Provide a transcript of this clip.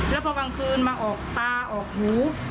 แล้วพอกลางคืนมาออกตาออกหู